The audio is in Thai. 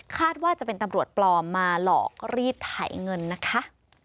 ว่าจะเป็นตำรวจปลอมมาหลอกรีดไถเงินนะคะ